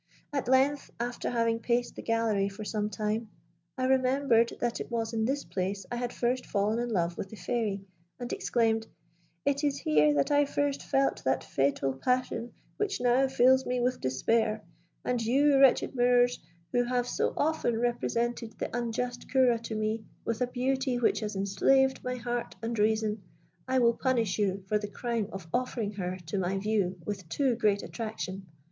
At length, after having paced the gallery for some time, I remembered that it was in this place I had first fallen in love with the Fairy, and exclaimed, 'It is here that I first felt that fatal passion which now fills me with despair; and you, wretched mirrors, who have so often represented the unjust Ceora to me, with a beauty which has enslaved my heart and reason, I will punish you for the crime of offering her to my view with too great attraction.'